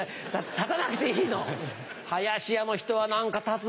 立たなくていい。